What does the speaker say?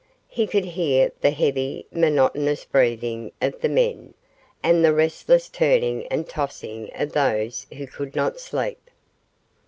He could hear the heavy, monotonous breathing of the men, and the restless turning and tossing of those who could not sleep.